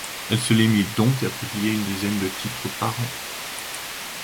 Elle se limite donc à publier une dizaine de titres par an.